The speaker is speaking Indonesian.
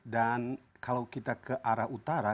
dan kalau kita ke arah utara